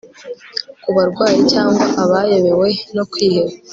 Kubarwayi cyangwa abayobewe no kwiheba